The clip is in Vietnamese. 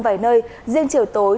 vài nơi riêng chiều tối